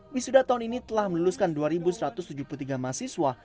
wisuda tahun ini telah meluluskan dua satu ratus tujuh puluh tiga mahasiswa